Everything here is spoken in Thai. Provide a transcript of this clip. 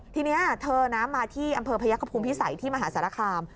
ทีนี้เธอนะมาที่อำเภอพยักษภูมิพิสัยที่มหาสารคาม